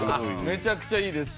めちゃくちゃいいです。